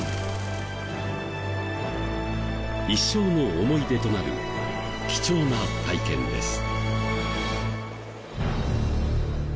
一生の思い出となる貴重な体験です。